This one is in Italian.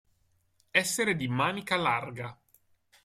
Essere di manica larga.